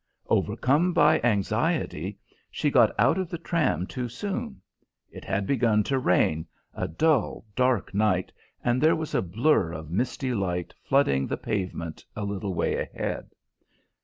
Overcome by anxiety, she got out of the tram too soon. It had begun to rain, a dull, dark night, and there was a blur of misty light flooding the pavement a little way ahead.